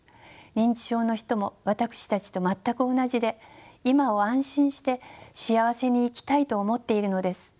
認知症の人も私たちと全く同じで今を安心して幸せに生きたいと思っているのです。